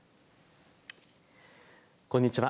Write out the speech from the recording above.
こんにちは。